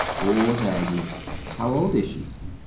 Poor Maggie!" "How old is she?"